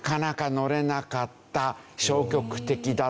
消極的だった。